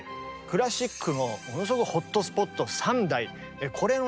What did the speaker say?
クラシックのものすごくホットスポット３代これをね